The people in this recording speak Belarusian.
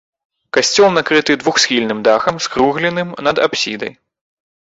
Касцёл накрыты двухсхільным дахам, скругленым над апсідай.